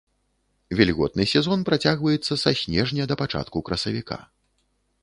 Вільготны сезон працягваецца са снежня да пачатку красавіка.